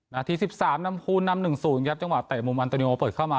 นาทีสิบสามนำพูนนำหนึ่งศูนย์นะครับจังหวะเตะมุมอันโตนิโอเปิดเข้ามา